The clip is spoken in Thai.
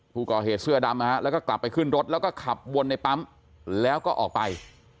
ผู้ก่อเหตุเสื้อดำแล้วก็กลับไปขึ้นรถแล้วก็ขับวนในปั๊มแล้วก็ออกไป